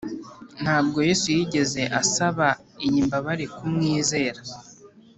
Ntabwo Yesu yigeze asaba iyi mbabare kumwizera.